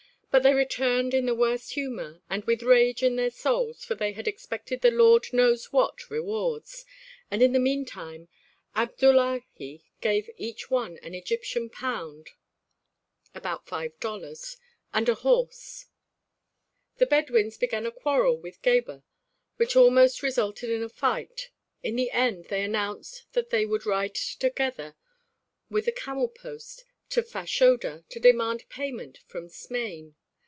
But they returned in the worst humor and with rage in their souls for they had expected the Lord knows what rewards, and in the meantime Abdullahi gave each one an Egyptian pound* [* About five dollars. Translator's note.] and a horse. The Bedouins began a quarrel with Gebhr which almost resulted in a fight; in the end they announced that they would ride together with the camel post to Fashoda to demand payment from Smain.